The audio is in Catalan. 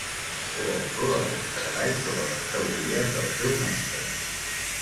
Fou autor d'alguns treballs sobre les teories del seu mestre.